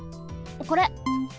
これ。